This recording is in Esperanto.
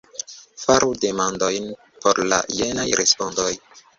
Faru demandojn por la jenaj respondoj.